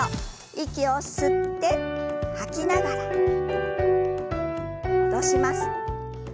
息を吸って吐きながら戻します。